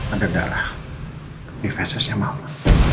ada darah di vasesnya mama